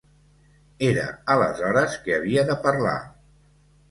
Era aleshores que havia de parlar.